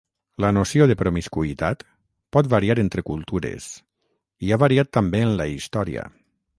La noció de promiscuïtat pot variar entre cultures, i ha variat també en la història.